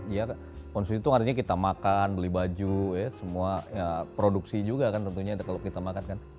ya konsumen itu artinya kita makan beli baju ya semua produksi juga kan tentunya kalau kita makan kan